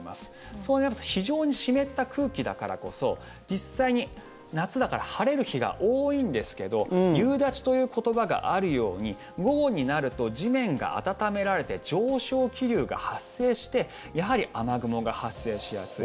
そうなりますと非常に湿った空気だからこそ実際に、夏だから晴れる日が多いんですけど夕立という言葉があるように午後になると地面が暖められて上昇気流が発生してやはり雨雲が発生しやすい。